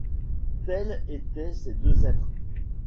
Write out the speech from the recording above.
Tels étaient ces deux êtres.